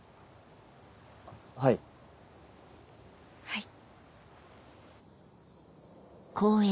はい。